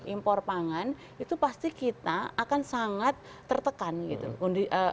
impor pangan itu pasti kita akan sangat tertekan gitu